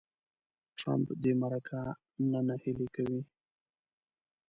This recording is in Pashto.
ټرمپ دې مرکه نه نهیلې کوي.